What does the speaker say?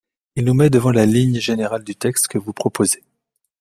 Il nous met devant la ligne générale du texte que vous proposez.